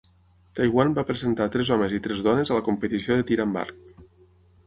Taiwan va presentar tres homes i tres dones a la competició de tir amb arc.